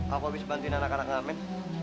aku habis bantuin anak anak ngamen